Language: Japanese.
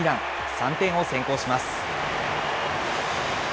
３点を先行します。